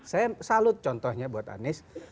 saya salut contohnya buat anies